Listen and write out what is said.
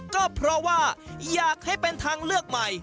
ก็เพราะว่าอยากให้เป็นทางเลือกใหม่